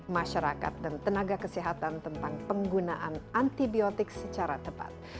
masyarakat dan tenaga kesehatan tentang penggunaan antibiotik secara tepat